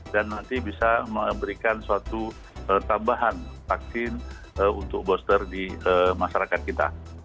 dan nanti bisa memberikan suatu tambahan vaksin untuk booster di masyarakat kita